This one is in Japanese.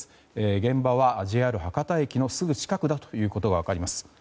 現場はＪＲ博多駅のすぐ近くだということが分かります。